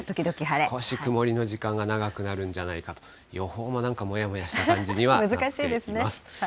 少し曇りの時間が長くなるんじゃないかと、予報もなんかもやもやした感じにはなっています。